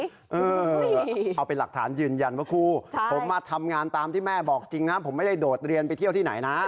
เอาเป็นหลักฐานยืนยันว่าครูผมมาทำงานตามที่แม่บอกจริงนะผมไม่ได้โดดเรียนไปเที่ยวที่ไหนนะ